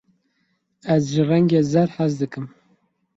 Ez ji rengê zer hez dikim.